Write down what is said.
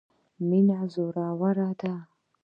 مینه زوروره ده.